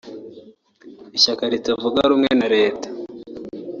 Ishyaka ritavuga rumwe na Leta